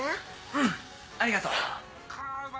うんありがとう。